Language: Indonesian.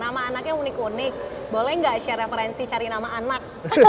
nama anaknya unik unik boleh nggak share referensi cari nama anak